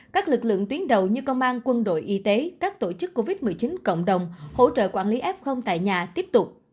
các lực lượng tuyến đầu như công an quân đội y tế các tổ chức covid một mươi chín cộng đồng hỗ trợ quản lý f tại nhà tiếp tục